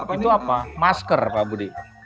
itu apa masker pak budi